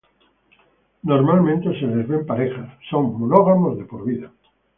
Normalmente se les ve en parejas, son monógamos de por vida.